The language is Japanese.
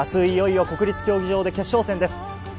いよいよ国立競技場で決勝戦です。